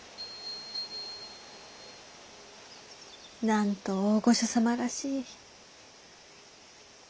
なんと大御所様らしい。